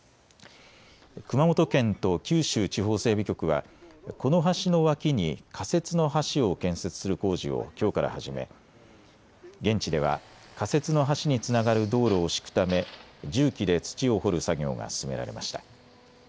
熊本県と九州地方整備局はこの橋の脇に仮設の橋を建設する工事をきょうから始め現地では仮設の橋につながる道路を敷くため重機で土を掘る作業が進められました。